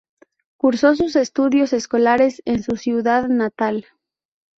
Cursó sus estudios escolares en su ciudad natal.